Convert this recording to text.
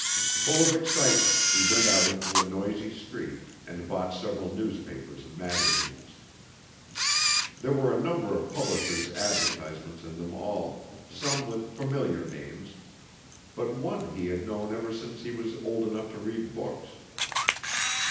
Full of excitement he went out into a noisy street, and bought several newspapers and magazines. There were a number of publishers' advertisements in them all, some with familiar names, but one he had known ever since he was old enough to read books.